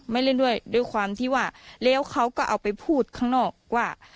เล่นด้วยด้วยความที่ว่าแล้วเขาก็เอาไปพูดข้างนอกว่า